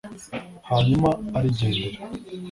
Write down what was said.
hanyuma arigendera.